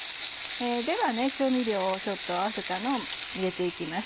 では調味料を合わせたのを入れていきます。